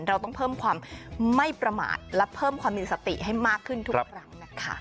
เราต้องเพิ่มความไม่ประมาทและเพิ่มความมีสติให้มากขึ้นทุกครั้งนะคะ